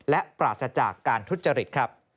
และปราศจากการทุจจริต